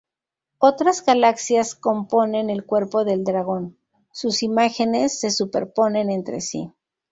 Otras galaxias componen el cuerpo del dragón; sus imágenes se superponen entre sí.